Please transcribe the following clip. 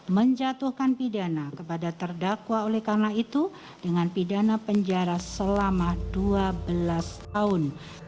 menjatuhkan pidana kepada terdakwa oleh karena itu dengan pidana penjara selama dua belas tahun